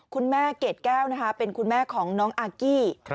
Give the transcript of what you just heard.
คุณแม่เกดแก้วเป็นคุณแม่ของน้องอากี้